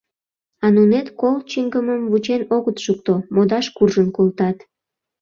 А нунет кол чӱҥгымым вучен огыт шукто — модаш куржын колтат.